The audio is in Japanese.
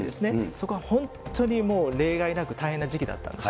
そこは本当にもう例外なく大変な時期だったんです。